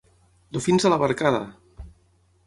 Dofins a la barcada!